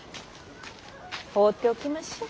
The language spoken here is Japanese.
放っておきましょう。